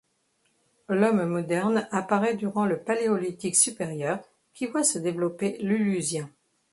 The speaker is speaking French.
L'homme moderne apparaît durant le Paléolithique supérieur qui voit se développer l'Uluzzien.